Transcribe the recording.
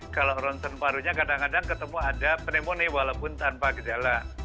kalau ronsen parunya kadang kadang ketemu ada pneumonia walaupun tanpa gejala